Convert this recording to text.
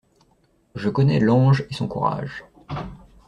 Je connais l'ange et son courage.